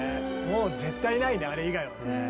もう絶対ないねあれ以外はね。